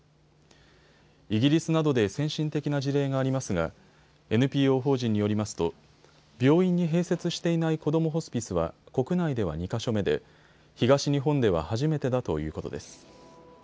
イギリスなどで先進的な事例がありますがＮＰＯ法人によりますと病院に併設していないこどもホスピスは国内では２か所目で東日本では初めてだということです。